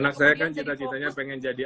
anak saya kan cita citanya pengen jadi